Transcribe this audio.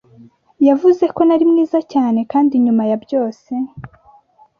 yavuze ko nari mwiza cyane, kandi nyuma ya byose